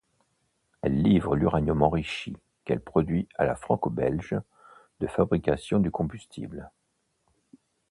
Elle livre l'uranium enrichi qu'elle produit à la Franco-Belge de Fabrication du Combustible.